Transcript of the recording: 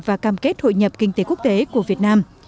và cam kết hội nhập kinh tế quốc tế của việt nam